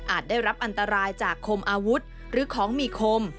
ได้รับอันตรายจากคมอาวุธหรือของมีคม